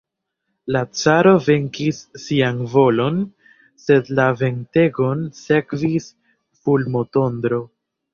La caro venkis sian volon, sed la ventegon sekvis fulmotondro.